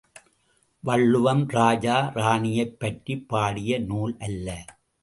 வள்ளுவம், ராஜா ராணியைப் பற்றிப் பாடிய நூல் அல்ல.